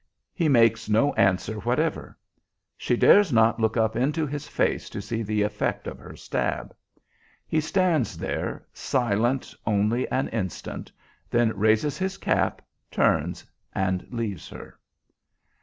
He makes no answer whatever. She dares not look up into his face to see the effect of her stab. He stands there silent only an instant; then raises his cap, turns, and leaves her.